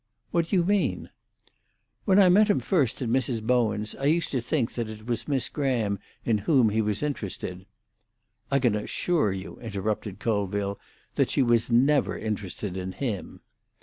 "What do you mean?" "When I met him first at Mrs. Bowen's I used to think that it was Miss Graham in whom he was interested——" "I can assure you," interrupted Colville, "that she was never interested in him."